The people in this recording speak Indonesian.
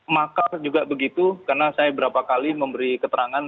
maka juga begitu karena saya beberapa kali memberi keterangan